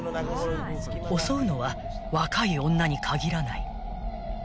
［襲うのは若い女に限らない］